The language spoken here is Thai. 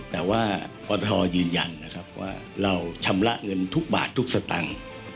แต่ว่าปทยืนยันนะครับว่าเราชำระเงินทุกบาททุกสตางค์